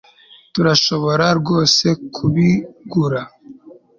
turashobora rwose kubigura